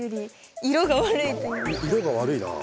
色が悪いなあ。